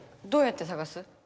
どうやってさがす？